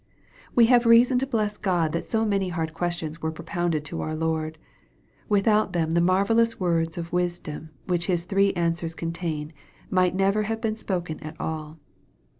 We have reason to bless God that so many hard questions were propounded to our Lord. Without them the marvellous words of wisdom which His three answers contain, might never have been spoken at all.